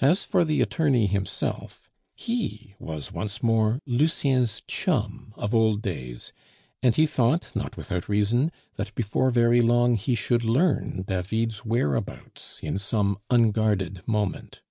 As for the attorney himself, he was once more Lucien's chum of old days; and he thought, not without reason, that before very long he should learn David's whereabouts in some unguarded moment.